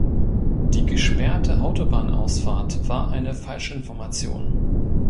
Die gesperrte Autobahnausfahrt war eine Falschinformation.